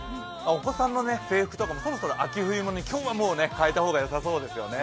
お子さんの制服とかもそろそろ秋冬物に今日はもうね、変えた方がよさそうですね。